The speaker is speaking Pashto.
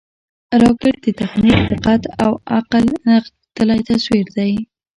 راکټ د تخنیک، دقت او عقل نغښتلی تصویر دی